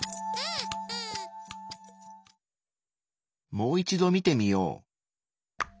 もう一度見てみよう。